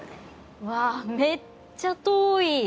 うわめっちゃ遠い。